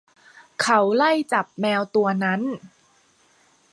เขาไล่จับแมวตัวนั้น